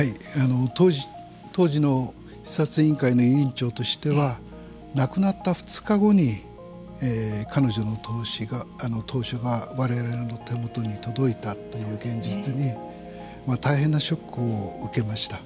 当時の視察委員会の委員長としては亡くなった２日後に彼女の投書が我々の手元に届いたという現実に大変なショックを受けました。